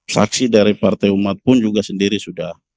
saksi dari partai umat pun juga sendiri sudah